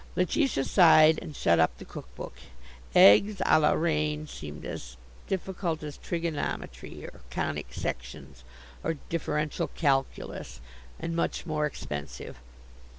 Letitia sighed, and shut up the cook book. Eggs Ã la reine seemed as difficult as trigonometry, or conic sections, or differential calculus and much more expensive.